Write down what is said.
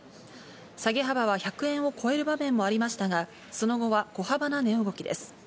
下げ幅は１００円を超える場面もありましたが、その後は小幅な値動きです。